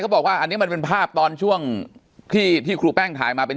บอกว่าอันนี้มันเป็นภาพตอนช่วงที่ครูแป้งถ่ายมาเป็น